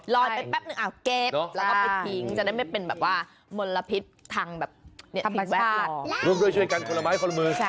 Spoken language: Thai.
รอยไปแป๊บนึงเอาเก็บแล้วก็ไปกิ๊งจะได้ไม่เป็นแบบว่ามลพิษทางแบบพิษภาค